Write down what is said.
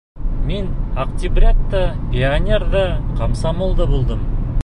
— Мин октябрят та, пионер ҙа, комсомол да булдым.